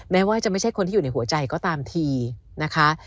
แม้ว่าจะไม่ใช่คนที่อยู่ในหัวใจก็ตามทีนะคะ